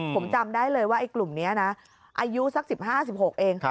ผมจำได้เลยว่าไอ้กลุ่มนี้นะอายุสัก๑๕๑๖เอง